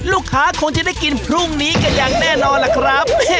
ลูกค้าคงจะได้กินพรุ่งนี้กันอย่างแน่นอนล่ะครับ